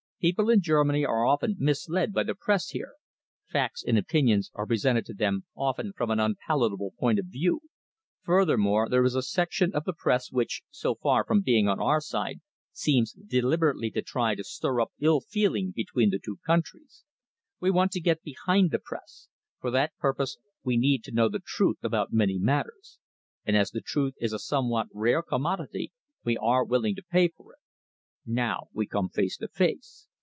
People in Germany are often misled by the Press here. Facts and opinions are presented to them often from an unpalatable point of view. Furthermore, there is a section of the Press which, so far from being on our side, seems deliberately to try to stir up ill feeling between the two countries. We want to get behind the Press. For that purpose we need to know the truth about many matters; and as the truth is a somewhat rare commodity, we are willing to pay for it. Now we come face to face.